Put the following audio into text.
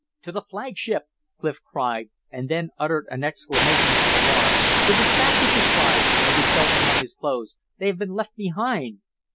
"To the flagship!" Clif cried, and then uttered an exclamation of alarm. "The dispatches!" he cried, as he felt among his clothes. "They have been left behind!"